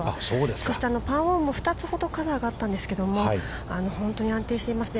そしてパーオンも２つほどカラーがあったんですけど、本当に安定していますよね。